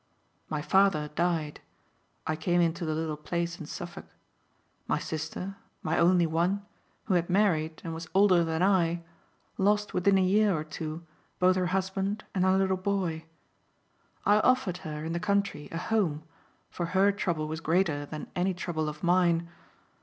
My father died I came into the little place in Suffolk. My sister, my only one, who had married and was older than I, lost within a year or two both her husband and her little boy. I offered her, in the country, a home, for her trouble was greater than any trouble of mine.